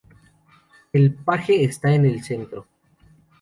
El paje está en el centro.